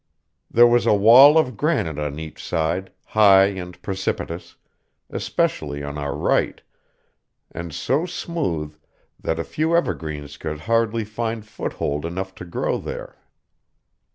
There was a wall of granite on each side, high and precipitous, especially on our right, and so smooth that a few evergreens could hardly find foothold enough to grow there.